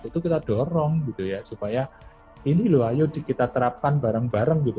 itu kita dorong gitu ya supaya ini loh ayo kita terapkan bareng bareng gitu